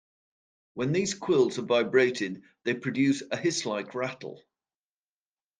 When these quills are vibrated, they produce a hiss-like rattle.